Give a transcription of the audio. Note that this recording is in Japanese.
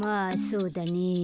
そうだね。